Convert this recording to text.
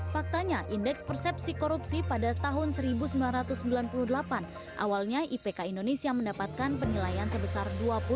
faktanya indeks persepsi korupsi pada tahun seribu sembilan ratus sembilan puluh delapan awalnya ipk indonesia mendapatkan penilaian sebesar dua puluh